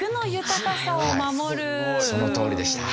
そのとおりでした。